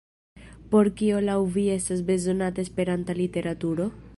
Por kio laŭ vi estas bezonata Esperanta literaturo?